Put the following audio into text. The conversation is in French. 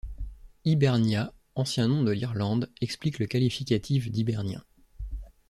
Hibernia, ancien nom de l'Irlande explique le qualificatif d'hibernien.